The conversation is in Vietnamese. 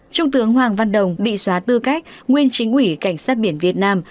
trung tướng hoàng văn đồng bị xóa tư cách nguyên chính ủy cảnh sát biển việt nam